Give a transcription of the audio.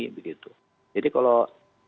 jadi kalau kita mencari